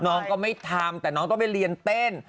น้องก็ไม่ทำแต่น้องต้องไปเรียนเต้น